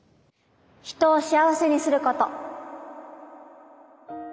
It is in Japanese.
人を幸せにすること。